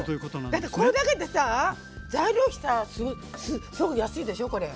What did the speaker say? だってこれだけでさあ材料費さすごく安いでしょこれ。